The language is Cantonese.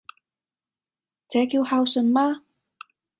這叫孝順嗎？